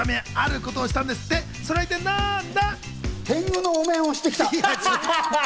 天狗のお面をしてきた。